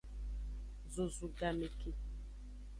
Zozu game ke.